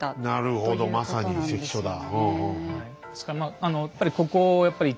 なるほどまさに関所だ。